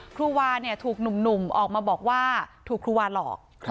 ครูวาถูกหนุ่มออกมาบอกว่าถูกครูวาหลอก